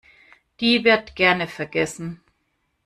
Die wird gerne vergessen.